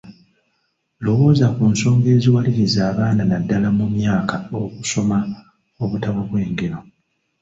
Lowooza ku nsonga eziwaliriza abaana naddala mu myaka okusoma obutabo bw’engero.